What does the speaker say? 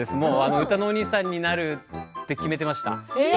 うたのおにいさんになるって決めていました。